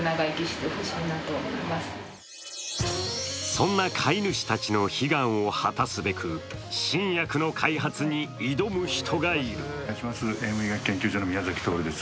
そんな飼い主たちの悲願を果たすべく新薬の開発に挑む人がいる。